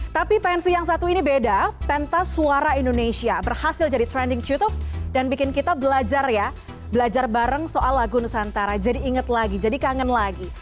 tapi pensi yang satu ini beda pentas suara indonesia berhasil jadi trending youtube dan bikin kita belajar ya belajar bareng soal lagu nusantara jadi inget lagi jadi kangen lagi